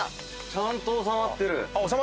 ちゃんと収まってる。